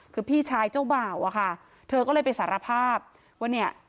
คือพี่ชายเจ้าบ่าวอะค่ะเธอก็เลยไปสารภาพว่าเนี่ย